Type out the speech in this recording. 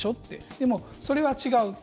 でも、それは違う。